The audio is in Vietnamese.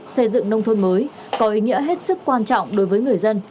xây dựng nông thôn mới có ý nghĩa hết sức quan trọng đối với người dân